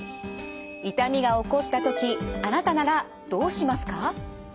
痛みが起こった時あなたならどうしますか？